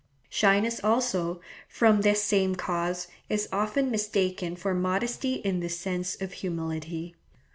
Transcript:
Shyness also, from this same cause, is often mistaken for modesty in the sense of humility.